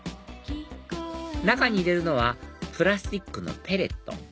中に入れるのはプラスチックのペレット